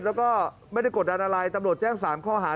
แล้วก็ไม่ได้กดดันอะไรตำรวจแจ้ง๓ข้อหา